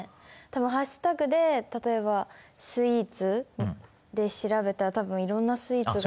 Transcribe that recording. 多分ハッシュタグで例えば「スイーツ」で調べたら多分いろんなスイーツが。